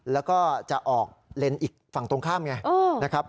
แล้วก็จะออกเลนส์อีกฝั่งตรงข้ามไงนะครับ